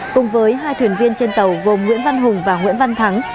cùng với hai thuyền viên trên tàu gồm nguyễn văn hùng và nguyễn văn thắng